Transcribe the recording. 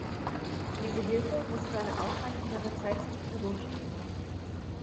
Diese Hilfe muss für eine ausreichend lange Zeit zur Verfügung stehen.